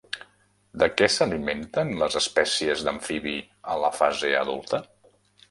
De què s'alimenten les espècies d'amfibi a la fase adulta?